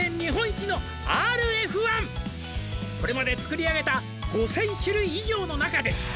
「これまで作り上げた５０００種類以上の中で」